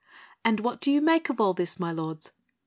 "And what do you make of all this, my lords?"